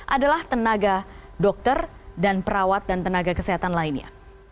adalah tenaga dokter dan perawat dan tenaga kesehatan lainnya